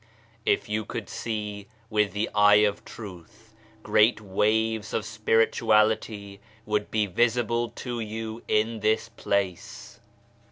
If you could see with the eye of Truth, great waves of spirituality would be visible to you in this place.